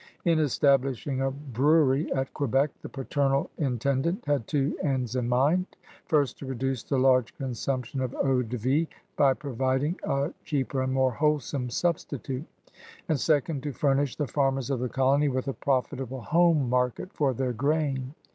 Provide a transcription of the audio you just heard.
In establishing a brewery at Quebec the paternal intendant had two ends in mind: first, to reduce the large consumption of eau de vie by providing a cheaper and more wholesome substitute; and second, to furnish the farmers of the colony with a profitable home market for their grain.